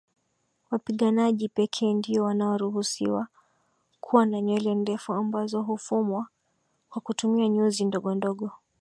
Wapiganaji pekee ndio wanaoruhusiwa kuwa na nywele ndefu ambazo hufumwa kwa kutumia nyuzi ndogondogo